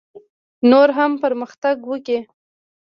نور هم پرمختګ وکړي.